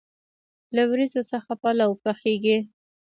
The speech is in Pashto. له وریجو څخه پلو پخیږي.